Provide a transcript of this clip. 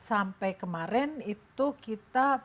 sampai kemarin itu kita